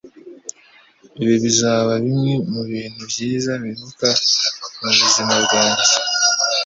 Ibi bizaba bimwe mubintu byiza nibuka mubuzima bwanjye.